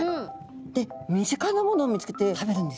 で身近なものを見つけて食べるんですね。